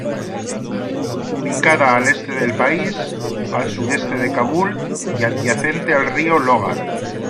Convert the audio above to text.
Ubicada al este del país, al sudeste de Kabul y adyacente al río Logar.